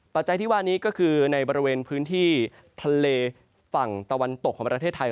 จัยที่ว่านี้ก็คือในบริเวณพื้นที่ทะเลฝั่งตะวันตกของประเทศไทย